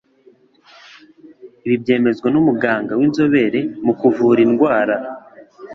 Ibi byemezwa n'umuganga w'inzobere mu kuvura indwara